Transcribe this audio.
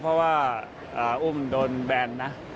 เพราะว่าอุ้มโดนแบนนะ